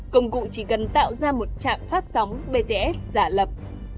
công cụ chỉ cần tạo ra một trạm phát sóng bts giả lập